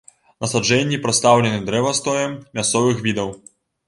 Насаджэнні прадстаўлены дрэвастоем мясцовых відаў.